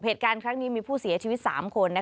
เหตุการณ์ครั้งนี้มีผู้เสียชีวิต๓คน